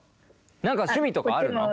何か趣味とかあるの？